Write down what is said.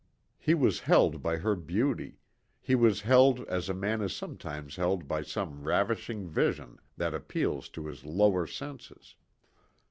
He was held by her beauty he was held as a man is sometimes held by some ravishing vision that appeals to his lower senses.